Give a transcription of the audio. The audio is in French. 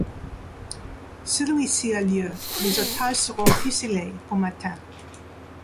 Celui-ci a lieu, les otages seront fusillés au matin.